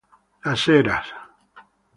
Las Heras